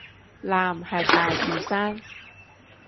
藍係大嶼山